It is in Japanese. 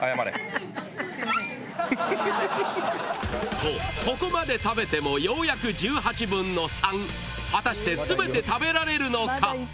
とここまで食べてもようやく１８分の３果たして全て食べられるのか？